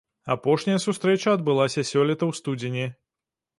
Апошняя сустрэча адбылася сёлета ў студзені.